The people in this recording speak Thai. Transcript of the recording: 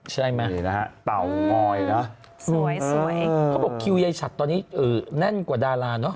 ใช่ไหมสวยเขาบอกคิวใยชัดตอนนี้แน่นกว่าดาราเนอะ